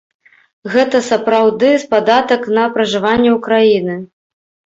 Гэта сапраўды падатак на пражыванне ў краіне.